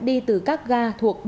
đi từ các ga thuộc